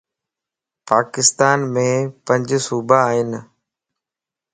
پاڪستان ءَ مَ پنج صوبا ائين